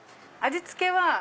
味付けは？